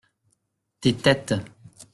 Tes têtes.